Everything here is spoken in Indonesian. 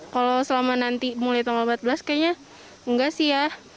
kalau selama nanti mulai tanggal empat belas kayaknya enggak sih ya